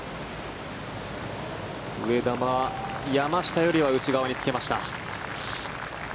上田は山下よりは内側につけました。